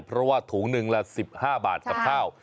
เพราะว่าถุงหนึ่งละ๑๕บาทกับข้าว